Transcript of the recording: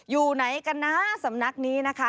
อยู่ไหนกันนะสำนักนี้นะคะ